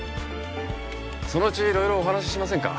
そのうち色々お話ししませんか。